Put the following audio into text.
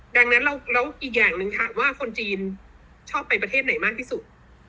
ดังนั้นแล้วอีกอย่างหนึ่งถามว่าคนจีนชอบไปประเทศไหนมากที่สุด